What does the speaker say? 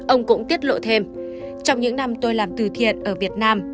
ông cũng tiết lộ thêm trong những năm tôi làm từ thiện ở việt nam